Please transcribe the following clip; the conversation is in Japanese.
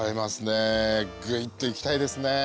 グイッといきたいですね！